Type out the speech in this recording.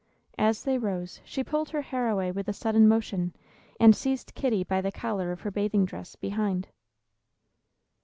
As they rose, she pulled her hair away with a sudden motion, and seized Kitty by the collar of her bathing dress, behind.